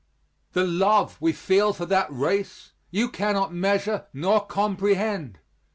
The love we feel for that race, you cannot measure nor comprehend.